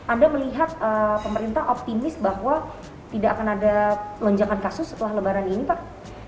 anda melihat pemerintah optimis bahwa tidak akan ada lonjakan kasus setelah lebaran ini pak